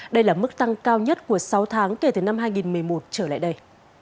đây là mức tăng cao nhất của sáu tháng kể từ năm hai nghìn một mươi một trở lại đây